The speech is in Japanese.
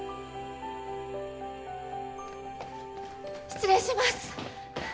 失礼します！